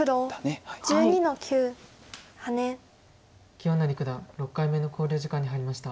清成九段６回目の考慮時間に入りました。